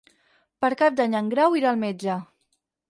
Per Cap d'Any en Grau irà al metge.